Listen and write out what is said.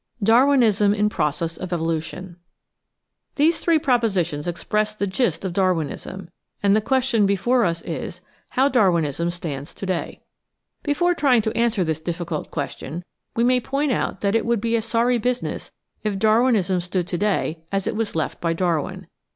Darwinism in Process of Evolution These three propositions express the gist of Darwinism, and the question before us is, How Darwiimm stands to day. Before trying to answer this difficult question, we may point out that it would be a sorry business if Darwinism stood to day as it was left by Darwin.